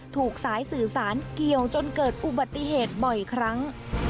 ถูกสายสื่อสารเกี่ยวจนเกิดอุบัติเหตุบ่อยครั้ง